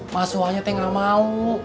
masuanya teh nggak mau